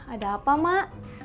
ada apa mak